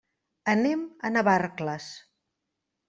Anem a Navarcles.